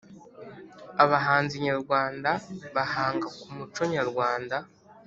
Abahanzi nyarwanda bahanga kumuco nyarwanda